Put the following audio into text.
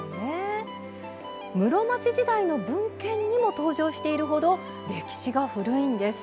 室町時代の文献にも登場しているほど歴史が古いんです。